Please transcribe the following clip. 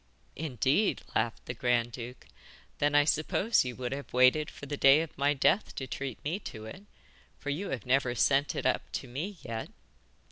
'Indeed,' laughed the grand duke; 'then I suppose you would have waited for the day of my death to treat me to it, for you have never sent it up to me yet.